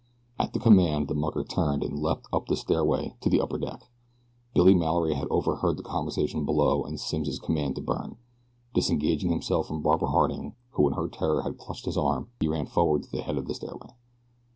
At the command the mucker turned and leaped up the stairway to the upper deck. Billy Mallory had overheard the conversation below and Simms' command to Byrne. Disengaging himself from Barbara Harding who in her terror had clutched his arm, he ran forward to the head of the stairway.